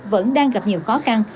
vẫn đang gặp nhiều khó khăn